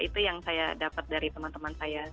itu yang saya dapat dari teman teman saya